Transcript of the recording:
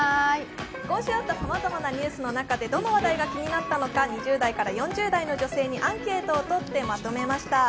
今週あったさまざまなニュースの中でどの話題が気になったのか２０代から４０代の女性にアンケートをとってまとめました。